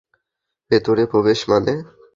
ভেতরে প্রবেশ মানে?